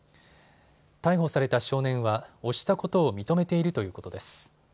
逮捕された少年は押したことを認めているということです。